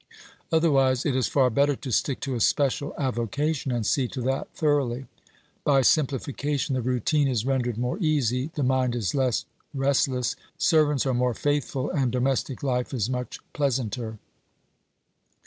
Otherwise it is far better to stick to a special avocation, and see to that thoroughly. By simplification the routine is rendered more easy, the mind is less restless, servants are more faithful and domestic life is much pleasanter.